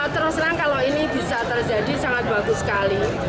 terus terang kalau ini bisa terjadi sangat bagus sekali